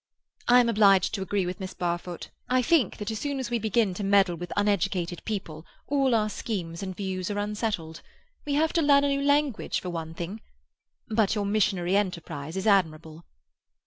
"I am obliged to agree with Miss Barfoot. I think that as soon as we begin to meddle with uneducated people, all our schemes and views are unsettled. We have to learn a new language, for one thing. But your missionary enterprise is admirable."